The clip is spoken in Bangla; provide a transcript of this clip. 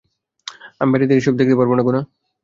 আমি বাইরে দাঁড়িয়ে এসব দেখতে পারব না গুনা।